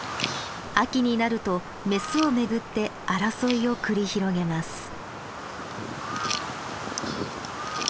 秋になるとメスを巡って争いを繰り広げます。